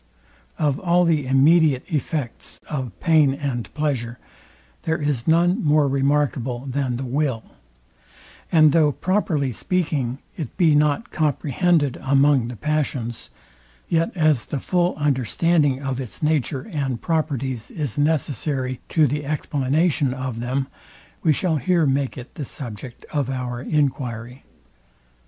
Of all the immediate effects of pain and pleasure, there is none more remarkable than the WILL; and though properly speaking, it be not comprehended among the passions, yet as the full understanding of its nature and properties, is necessary to the explanation of them, we shall here make it the subject of our enquiry.